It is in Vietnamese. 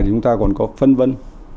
thì chúng ta còn có phân vân